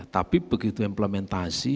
tapi begitu implementasi